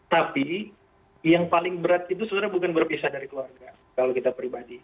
tapi yang paling berat itu sebenarnya bukan berpisah dari keluarga kalau kita pribadi